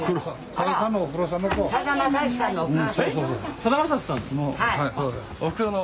さだまさしさんの？